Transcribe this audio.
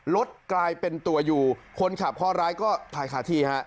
รถกลายเป็นตัวอยู่คนขับข้อร้ายก็ถ่ายขาดที่ฮะ